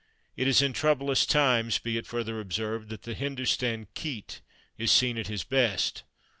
It is in troublous times, be it further observed, that the Hindustan khit is seen at his best.